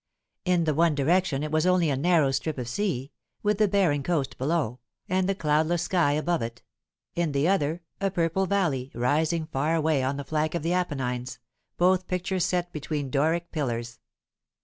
In the one direction it was only a narrow strip of sea, with the barren coast below, and the cloudless sky above it; in the other, a purple valley, rising far away on the flank of the Apennines; both pictures set between Doric pillars.